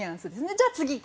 じゃあ次い